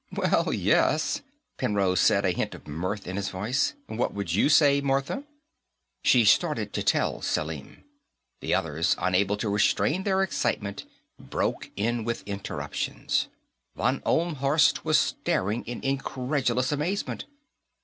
"Well, yes," Penrose said, a hint of mirth in his voice. "What would you say, Martha?" She started to tell Selim. The others, unable to restrain their excitement, broke in with interruptions. Von Ohlmhorst was staring in incredulous amazement.